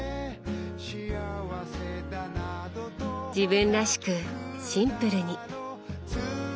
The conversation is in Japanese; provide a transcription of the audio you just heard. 自分らしくシンプルに。